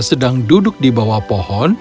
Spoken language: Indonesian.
sedang duduk di bawah pohon